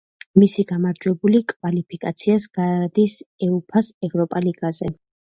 მისი გამარჯვებული კვალიფიკაციას გადის უეფა-ს ევროპა ლიგაზე.